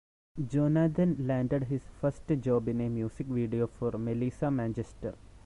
Jonathan landed his first job in a music video for Melissa Manchester.